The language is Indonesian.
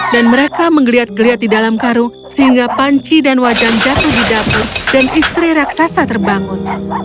dan mereka menggeliat geliat di dalam karung sehingga panci dan wajan jatuh di dapur dan istri raksasa terbangun